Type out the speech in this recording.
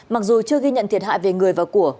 mặc dù chưa ghi nhận thiệt hại về người và của